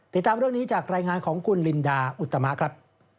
ติดตามเรื่องนี้จากรายงานของคุณลินดาอุตมะครับ